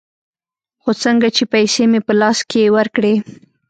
خو څنگه چې پيسې مې په لاس کښې ورکړې.